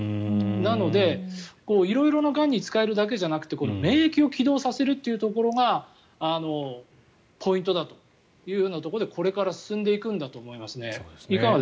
なので、色々ながんに使えるだけではなくて免疫を起動させるというところがポイントだというふうなところでこれから進んでいくんだと思います。